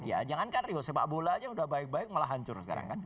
ya jangankan rio sepak bola aja udah baik baik malah hancur sekarang kan